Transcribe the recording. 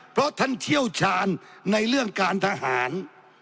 เพราะท่านเชี่ยวชาญในเรื่องการทหาร